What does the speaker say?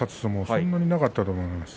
そんなになかったと思います。